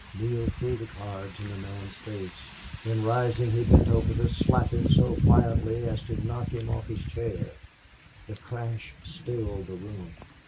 Neale threw the cards in the man's face; then, rising, he bent over to slap him so violently as to knock him off his chair. The crash stilled the room.